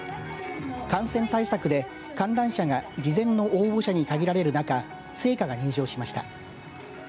感染対策で観覧者が事前の応募者に限られるなか聖火が入場しました。